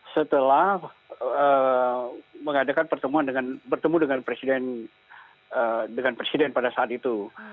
setelah mengadakan pertemuan dengan bertemu dengan presiden pada saat itu